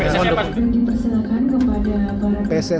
pemimpin persilakan kepada para